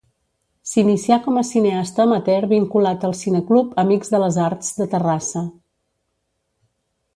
S'inicià com a cineasta amateur vinculat al Cineclub Amics de les Arts de Terrassa.